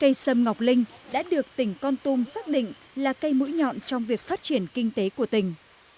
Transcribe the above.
cây sâm ngọc linh đã được tỉnh con tum xác định là cây mũi nhọn trong việc phát triển kinh tế của tỉnh